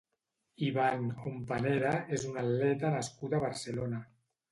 Iván Hompanera és un atleta nascut a Barcelona.